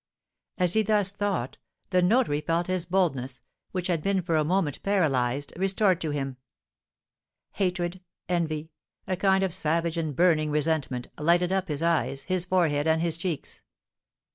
As he thus thought, the notary felt his boldness, which had been for a moment paralysed, restored to him. Hatred, envy, a kind of savage and burning resentment, lighted up his eyes, his forehead, and his cheeks.